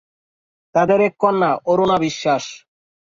তাদের এক কন্যা অরুণা বিশ্বাস।